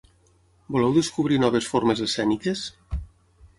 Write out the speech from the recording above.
Voleu descobrir noves formes escèniques?